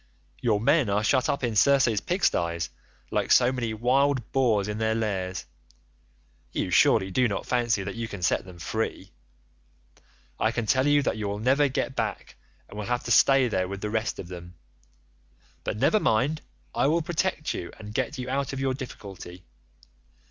Your men are shut up in Circe's pigstyes, like so many wild boars in their lairs. You surely do not fancy that you can set them free? I can tell you that you will never get back and will have to stay there with the rest of them. But never mind, I will protect you and get you out of your difficulty.